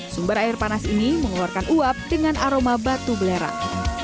sumber air panas ini mengeluarkan uap dengan aroma batu belerang